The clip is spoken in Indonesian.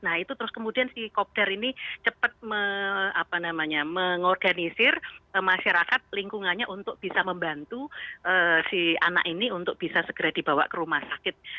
nah itu terus kemudian si kopdar ini cepat mengorganisir masyarakat lingkungannya untuk bisa membantu si anak ini untuk bisa segera dibawa ke rumah sakit